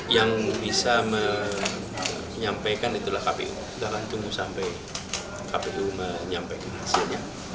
yang bisa menyampaikan itulah kpu kita akan tunggu sampai kpu menyampaikan hasilnya